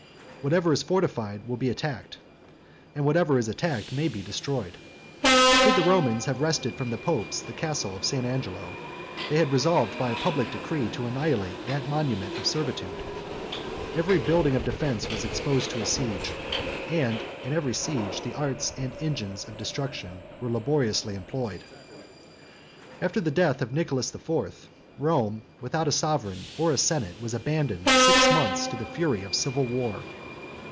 Whatever is fortified will be attacked; and whatever is attacked may be destroyed. Could the Romans have wrested from the popes the castle of St. Angelo, they had resolved by a public decree to annihilate that monument of servitude. Every building of defence was exposed to a siege; and in every siege the arts and engines of destruction were laboriously employed. After the death of Nicholas the Fourth, Rome, without a sovereign or a senate, was abandoned six months to the fury of civil war.